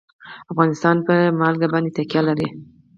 افغانستان په نمک باندې تکیه لري.